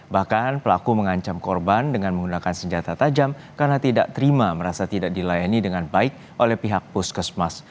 bahkan pelaku mengancam korban dengan menggunakan senjata tajam karena tidak terima merasa tidak dilayani dengan baik oleh pihak puskesmas